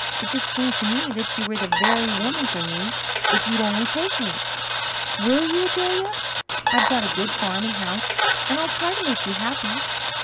It just seemed to me that you were the very woman for me if you'd only take me. Will you, Adelia? I've got a good farm and house, and I'll try to make you happy."